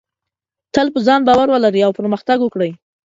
تل په ځان باور ولرئ او پرمختګ وکړئ.